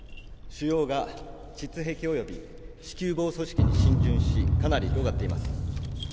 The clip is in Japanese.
腫瘍が膣壁及び子宮傍組織に浸潤しかなり広がっています。